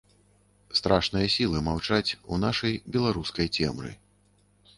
Страшныя сілы маўчаць у нашай беларускай цемры.